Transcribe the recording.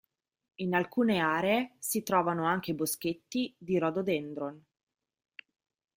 In alcune aree si trovano anche boschetti di "Rhododendron".